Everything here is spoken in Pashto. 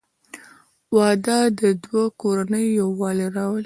• واده د دوه کورنیو یووالی راولي.